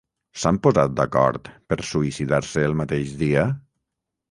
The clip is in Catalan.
S'han posat d'acord per suïcidar-se el mateix dia?